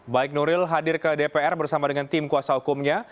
baik nuril hadir ke dpr bersama dengan tim kuasa hukumnya